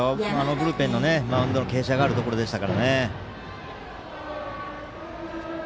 ブルペンのマウンドの傾斜があるところでしたから。